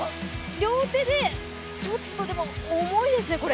両手で、ちょっとでも、重いですね。